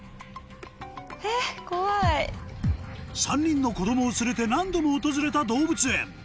３人の子供を連れて何度も訪れた動物園